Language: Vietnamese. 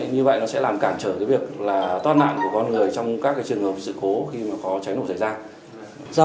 như vậy nó sẽ làm cản trở việc thoát nạn của con người trong các trường hợp sự khố khi có cháy nổ xảy ra